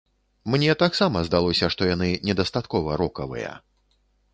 Мне таксама здалося, што яны недастаткова рокавыя.